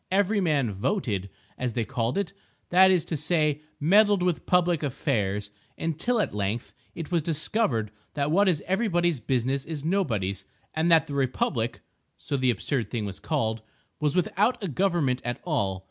Every man "voted," as they called it—that is to say meddled with public affairs—until at length, it was discovered that what is everybody's business is nobody's, and that the "Republic" (so the absurd thing was called) was without a government at all.